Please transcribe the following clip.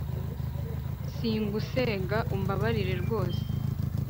si ngusega umbabarire rwose